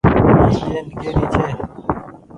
اي ٻين ڪي ري ڇي ۔